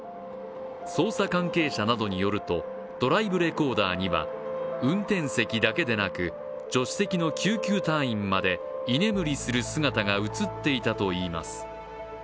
捜査関係者などによると、ドライブレコーダーには運転席だけでなく、助手席の救急隊員まで居眠りする姿が映っていたといいます。